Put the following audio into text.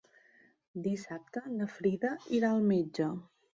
Dissabte na Frida irà al metge.